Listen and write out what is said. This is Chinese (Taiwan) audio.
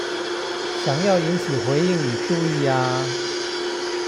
想要引起回應與注意呀